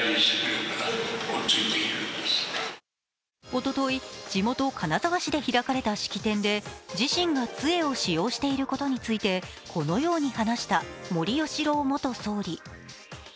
おととい、地元・金沢市で開かれた式典で自身がつえを使用していることについてこのように話した森喜朗元総理。